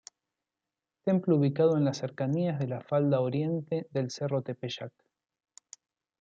Templo ubicado en las cercanías de la falda oriente del cerro del Tepeyac.